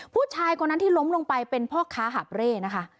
ผู้ชายคนนั้นที่ล้มลงไปเป็นพ่อค้าหาบเร่นะคะ